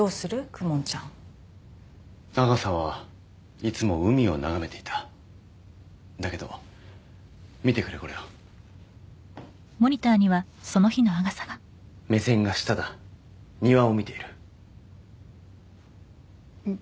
公文ちゃんアガサはいつも海を眺めていただけど見てくれこれを目線が下だ庭を見ているん？